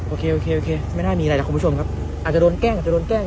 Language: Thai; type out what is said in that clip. โอเคโอเคไม่น่ามีอะไรนะคุณผู้ชมครับอาจจะโดนแกล้งอาจจะโดนแกล้ง